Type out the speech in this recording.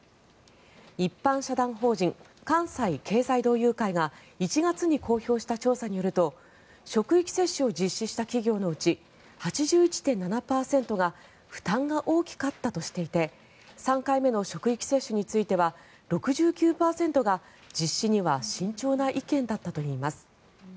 一般社団法人関西経済同友会が１月に公表した調査によると職域接種を実施した企業のうち８１．７％が負担が大きかったとしていて３回目の職域接種については６９％が実施には慎重な意見だったといいます。